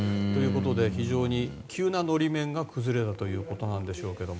非常に急な法面が崩れたということなんでしょうけども。